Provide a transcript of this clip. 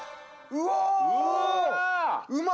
うわ！